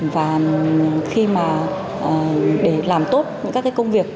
và khi mà để làm tốt những các cái công việc